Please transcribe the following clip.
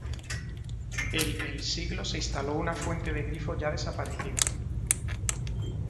El el siglo se instaló una fuente de grifo ya desaparecida.